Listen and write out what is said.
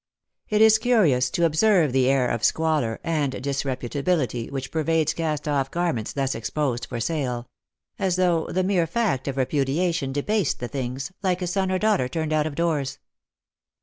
It is curious to observe the air of squalor and disreputability which pervades cast off garments thus exposed for sale; as though the mere fact of repudiation debased the things, like a son or daughter turned out of doors.